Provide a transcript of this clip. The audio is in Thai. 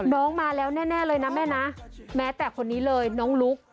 น้องมาแล้วแน่เลยนะแม่นะแม้แต่คนนี้เลยน้องลุ๊ก